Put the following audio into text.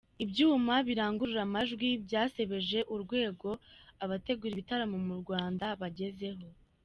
Ibyuma birangurura amajwi byasebeje urwego abategura ibitaramo mu Rwanda bagezeho….